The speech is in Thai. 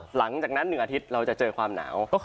หลังจากนั้น๑อาทิตย์เราจะเจอความหนาว